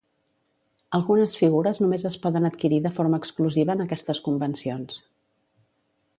Algunes figures només es poden adquirir de forma exclusiva en aquestes convencions.